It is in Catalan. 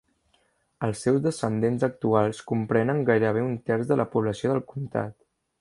Els seus descendents actuals comprenen gairebé un terç de la població del comtat.